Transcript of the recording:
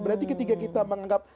berarti ketika kita menganggap